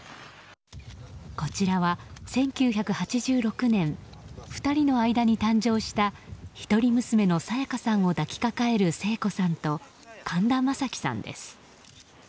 こちらは、１９８６年２人の間に誕生した一人娘の沙也加さんを抱きかかえる聖子さんと神田正輝さんです。